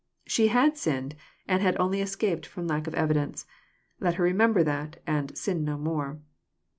She had sinned, and had only escaped from lack of evidence. Let her remember that, and " sin no tuore."